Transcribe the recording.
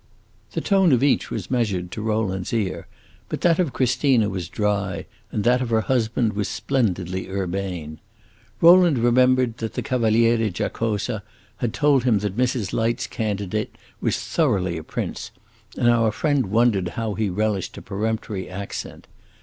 The tone of each was measured, to Rowland's ear; but that of Christina was dry, and that of her husband was splendidly urbane. Rowland remembered that the Cavaliere Giacosa had told him that Mrs. Light's candidate was thoroughly a prince, and our friend wondered how he relished a peremptory accent.